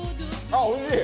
ああーおいしい！